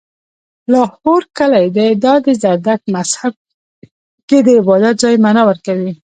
لاهور کلی دی، دا د زرتښت مذهب کې د عبادت ځای معنا ورکوي